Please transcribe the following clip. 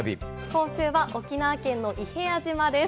今週は沖縄県の伊平屋島です。